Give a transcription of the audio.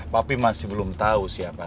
papi masih belum tau siapa